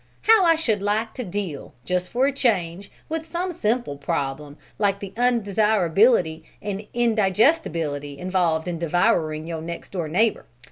How I should like to deal, just for a change, with some simple problem like the undesirability and indigestibility involved in devouring your next door neighbor!